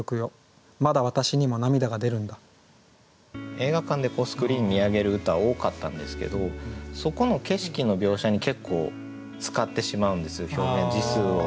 映画館でスクリーン見上げる歌多かったんですけどそこの景色の描写に結構使ってしまうんです表現字数を。